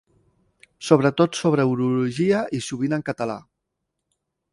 Sobretot sobre urologia i sovint en català.